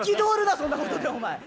そんなことでお前。